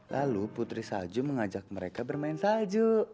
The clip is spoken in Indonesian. lalu putri salju mengajak mereka bermain salju